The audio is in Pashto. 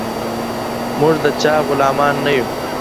موږ د چا غلامان نه يو.